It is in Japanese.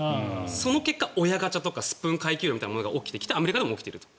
その結果、親ガチャとかスプーン階級論みたいなのが起きてきてアメリカでも起きている。